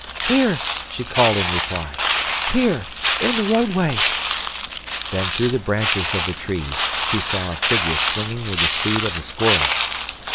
"Here!" she called in reply. "Here! In the roadway!" Then through the branches of the trees she saw a figure swinging with the speed of a squirrel.